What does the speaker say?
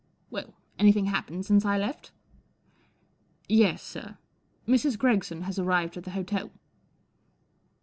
Well, anything happened since I left ?" 4 Yes, sir. Mrs. Gregson has arrived at the hotel."